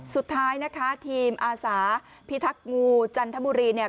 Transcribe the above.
สุดท้ายนะคะทีมอาสาพิทักษ์งูจันทบุรีเนี่ย